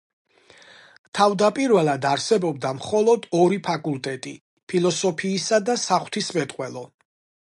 თავდაპირველად არსებობდა მხოლოდ ორი ფაკულტეტი: ფილოსოფიისა და საღვთისმეტყველო.